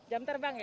jam terbang ya